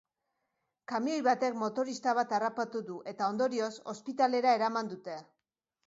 Kamioi batek motorista bat harrapatu du eta, ondorioz, ospitalera eraman dute.